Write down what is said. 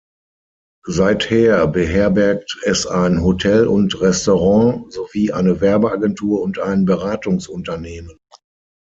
Seither beherbergt es ein Hotel und Restaurant sowie eine Werbeagentur und ein Beratungsunternehmen.